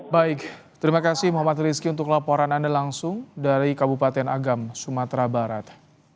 baik terima kasih muhammad rizky untuk laporan anda langsung dari kabupaten agam sumatera barat